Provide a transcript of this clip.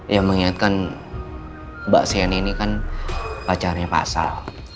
ya mengingatkan mbak seani ini kan pacarnya pasal